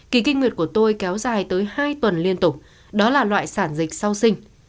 kỳ kinh nguyệt của tôi kéo dài tới hai tuần liên tục đó là loại sản dịch sau sinh